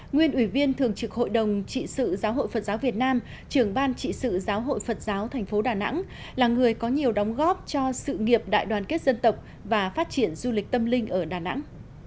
nguyên ủy viên thường trực hội đồng trị sự giáo hội phật giáo việt nam trưởng ban trị sự giáo hội phật giáo thành phố đà nẵng là người có nhiều đóng góp cho sự nghiệp đại đoàn kết dân tộc và phát triển du lịch tâm linh ở đà nẵng